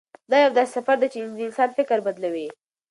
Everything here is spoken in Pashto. دا یو داسې سفر دی چې د انسان فکر بدلوي.